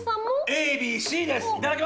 ＡＢＣです。